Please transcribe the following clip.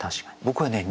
僕はね